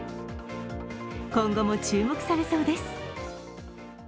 今後も注目されそうです。